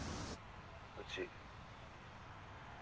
うち。